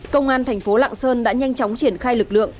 công an thành phố lạng sơn đã nhanh chóng triển khai lực lượng